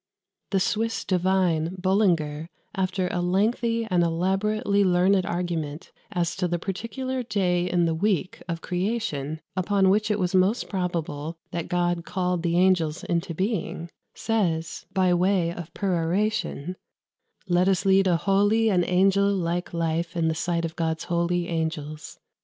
The Swiss divine Bullinger, after a lengthy and elaborately learned argument as to the particular day in the week of creation upon which it was most probable that God called the angels into being, says, by way of peroration, "Let us lead a holy and angel like life in the sight of God's holy angels.